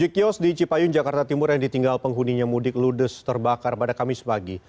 tujuh kios di cipayun jakarta timur yang ditinggal penghuninya mudik ludes terbakar pada kamis pagi